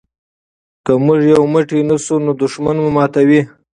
که موږ یو موټی نه شو نو دښمن مو ماتوي.